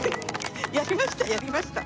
やりました！